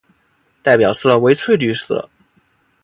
代表色为翠绿色。